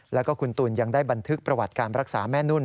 แล้วก็คุณตุ๋นยังได้บันทึกประวัติการรักษาแม่นุ่น